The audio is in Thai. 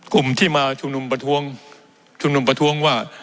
กลุ่มที่มาชุมนุมประท้วงชุมนุมประท้วงว่า